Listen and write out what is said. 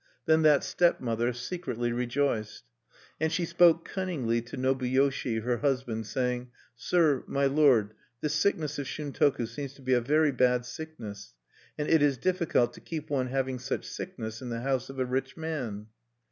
Then that stepmother secretly rejoiced. And she spoke cunningly to Nobuyoshi, her husband, saying: "Sir, my lord, this sickness of Shuntoku seems to be a very bad sickness; and it is difficult to keep one having such sickness in the house of a rich man."